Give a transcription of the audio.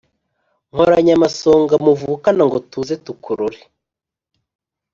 Nkoranya amasonga muvukana Ngo tuze tukurore.